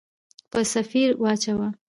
په سفیر واچوله.